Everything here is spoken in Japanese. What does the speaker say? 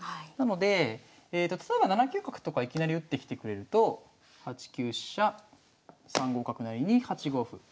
なので例えば７九角とかいきなり打ってきてくれると８九飛車３五角成に８五歩。